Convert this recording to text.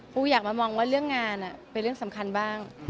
อยากมามองว่าเรื่องงานเป็นเรื่องสำคัญบ้าง